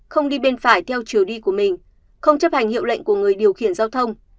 không đi bên phải theo chiều đi của mình không chấp hành hiệu lệnh của người điều khiển giao thông